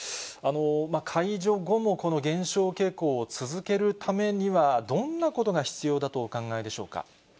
解除後もこの減少傾向を続けるためにはどんなことが必要だとお考えでしょうか。